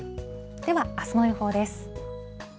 ではあすの予報です。